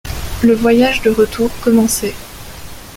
Le voyage de retour commençait.